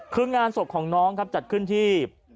คืองานศพของน้องครับจัดขึ้นที่